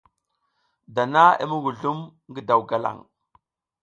Dana i muguzlum ngi daw galang.